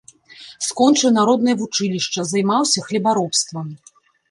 Скончыў народнае вучылішча, займаўся хлебаробствам.